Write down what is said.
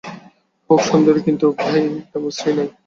হউক সুন্দরী কিন্তু ভাই, তেমন শ্রী নাই।